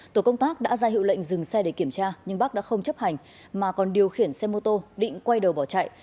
tổ công tác đã ra hiệu lệnh dừng xe để kiểm tra nhưng bắc đã không chấp hành mà còn điều khiển xe mô tô định quay đầu bỏ chạy